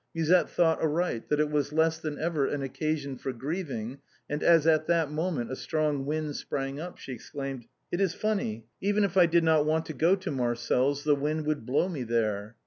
Musette thought aright, that it was less than ever an occasion for grieving, and as at that moment a strong wind sprung up she exclaimed :" It is funny, even if I did not want to go to Marcel's, the wind would blow me there."